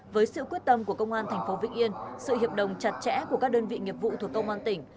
với sự quyết tâm của công an thành phố vĩnh yên sự hiệp đồng chặt chẽ của các đơn vị nghiệp vụ thuộc công an tỉnh